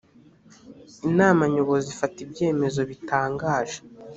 inama nyobozi ifata ibyemezo bitangaje.